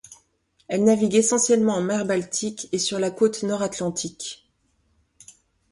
Elle navigue essentiellement en mer baltique et sur la côte nord atlantique.